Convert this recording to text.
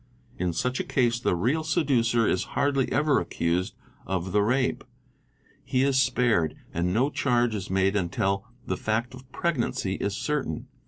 In such a case the real seducer is hardly ever accused of the rape,—he is spared—and no charge is made until the fact of pregnancy is certain.